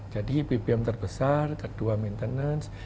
jadi bbm terbesar kedua maintenance